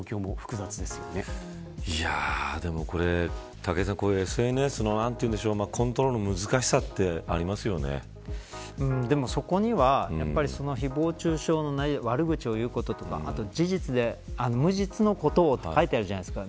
武井さん、ＳＮＳのコントロールの難しさってでもそこにはやっぱり誹謗中傷の悪口を言うこととかあと無実のことをと書いてあるじゃないですか。